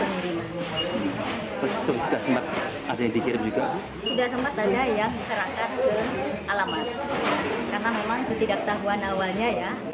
karena memang itu tidak tahuan awalnya ya